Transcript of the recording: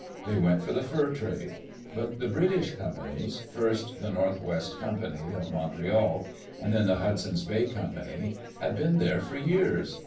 They went for the fur trade. But the British companies, first the North West Company, of Montreal, and then the Hudson's Bay Company, had been there for years.